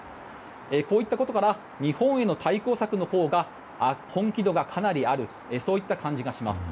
こういったことから日本への対抗策のほうが本気度がかなりあるという感じがします。